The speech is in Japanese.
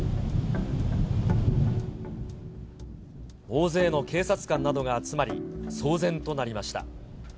大勢の警察官などが集まり、騒然となりました。